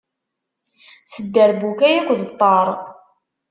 S dderbuka yak d ṭṭar